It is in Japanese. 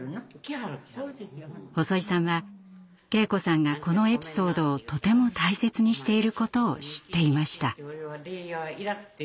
細井さんは敬子さんがこのエピソードをとても大切にしていることを知っていました。